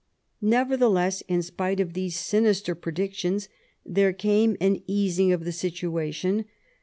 Nevertheless, in spite of these sinister predictions, there came an easing of the situation.